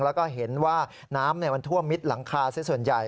แล้วก็เห็นว่าน้ำมันท่วมมิดหลังคาซะส่วนใหญ่